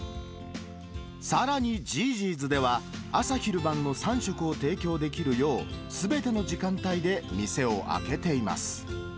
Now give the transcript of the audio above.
さらにじぃーじぃーずでは、朝昼晩の３食を提供できるよう、すべての時間帯で店を開けています。